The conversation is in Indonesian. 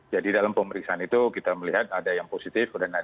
jadi dalam pemeriksaan itu kita melihat ada yang positif dan ada yang negatif